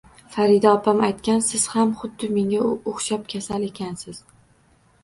Farida opam aytgan, siz ham xuddi menga o`xshab kasal ekansiz